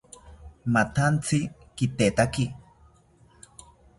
Mathantzi kitetaki